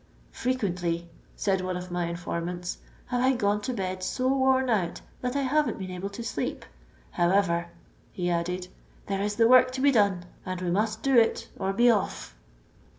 '• Fpcquently," said one of my informants, "have I gone to bed so worn out, that I haven't been able to sleep. However " (he added), " there is the work to be done, and we must do it or be off."